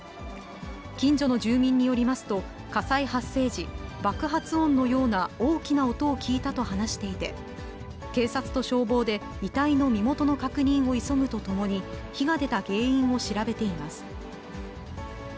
近所の住民によりますと、火災発生時、爆発音のような大きな音を聞いたと話していて、警察と消防で遺体の身元の確認を急ぐとともに、火が出た原因を調べています。